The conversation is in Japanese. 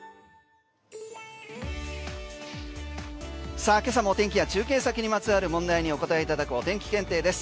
さあ今朝も天気や中継先にまつわる問題にお答えいただくお天気検定です。